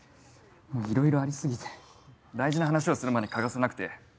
もういろいろあり過ぎて大事な話をする前に欠かせなくて。